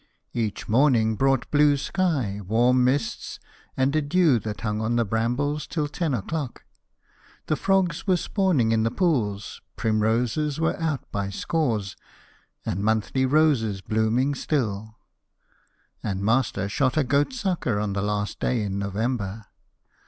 Each morning brought blue sky, warm mists, and a dew that hung on the brambles till ten o'clock. The frogs were spawning in the pools; primroses were out by scores, and monthly roses blooming still; and Master shot a goat sucker on the last day in November.